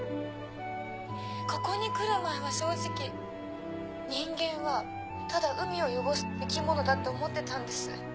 ここに来る前は正直人間はただ海を汚す生き物だって思ってたんです。